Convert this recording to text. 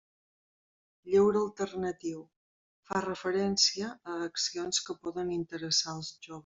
Lleure alternatiu: fa referència a accions que poden interessar els joves.